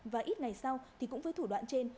và ít ngày sau thì cũng với thủ đoạn trên